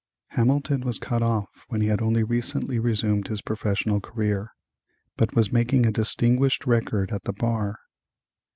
Hamilton was cut off when he had only recently resumed his professional career, but was making a distinguished record at the bar.